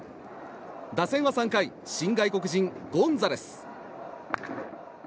打線は３回新外国人、ゴンザレス。